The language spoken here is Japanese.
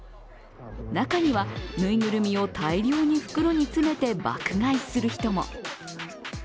中には、ぬいぐるみを大量に袋に詰めて爆買いする人も。